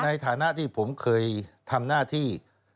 ในฐานะที่ผมเคยทำหน้าที่